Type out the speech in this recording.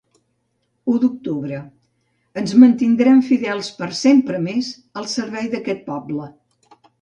U d’octubre: ens mantindrem fidels per sempre més al servei d’aquest poble.